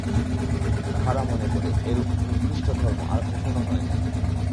তাহারা মনে করে, এরূপ নিকৃষ্ট ধর্ম আর কখনও হয় নাই।